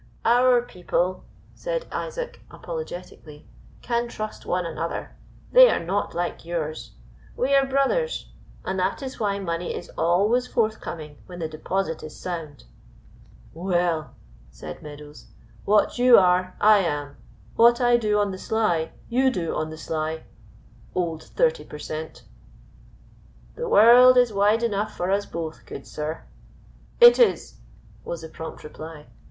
"Our people," said Isaac apologetically, "can trust one another they are not like yours. We are brothers, and that is why money is always forthcoming when the deposit is sound." "Well," said Meadows, "what you are, I am; what I do on the sly you do on the sly, old thirty per cent." "The world is wide enough for us both, good sir " "It is!" was the prompt reply.